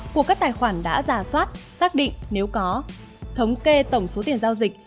của các tài khoản đã giả soát xác định nếu có thống kê tổng số tiền giao dịch